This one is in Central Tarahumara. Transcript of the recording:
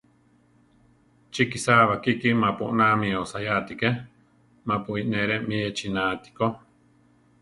Chi kisá bakíki mapu oná mi osayá atíke, mapu ínere mí echina atikó.